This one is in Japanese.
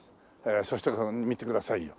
そして見てくださいよ。